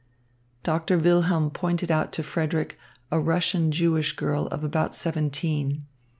Doctor Wilhelm pointed out to Frederick a Russian Jewish girl of about seventeen.